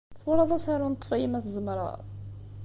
Twalaḍ asaru n Ṭṭef-iyi ma tzemreḍ?